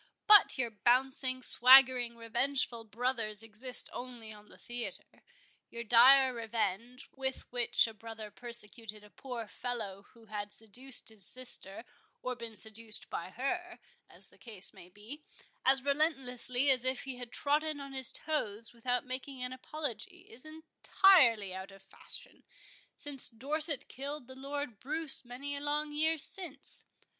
But your bouncing, swaggering, revengeful brothers exist only on the theatre. Your dire revenge, with which a brother persecuted a poor fellow who had seduced his sister, or been seduced by her, as the case might be, as relentlessly as if he had trodden on his toes without making an apology, is entirely out of fashion, since Dorset killed the Lord Bruce many a long year since.